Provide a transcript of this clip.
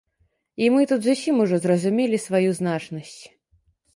І мы там зусім ужо зразумелі сваю значнасць.